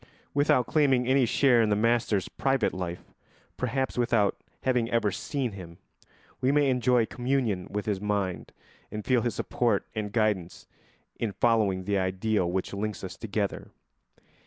Without claiming any share in the master's private life, perhaps without having ever seen him, we may enjoy communion with his mind and feel his support and guidance in following the ideal which links us together.